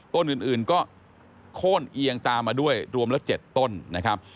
ต้นอื่นก็โค้นเอียงตามมาด้วยรวมแล้ว๗ต้นนะครับ